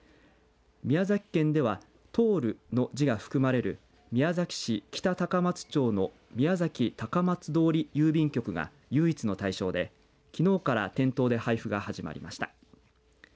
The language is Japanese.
宮崎県では通の字が含まれる宮崎市北高松町の宮崎高松通郵便局が唯一の対象できのうから店頭で配布が始まりました。